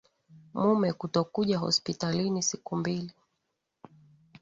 Mume kutokuja hospitalini siku mbili